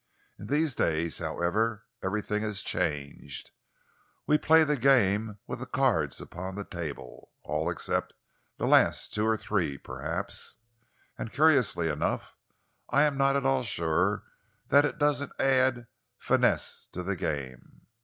In these days, however, everything is changed. We play the game with the cards upon the table all except the last two or three, perhaps and curiously enough, I am not at all sure that it doesn't add finesse to the game."